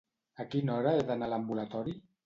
A quina hora he d'anar a l'ambulatori?